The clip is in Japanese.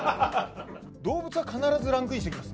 動物は必ずランキングしてきます。